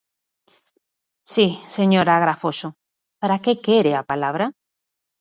Si, señora Agrafoxo, ¿para que quere a palabra?